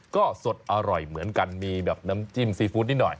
ก็สดอร่อยเหมือนกันมีแบบน้ำจิ้มซีฟู้ดนิดหน่อย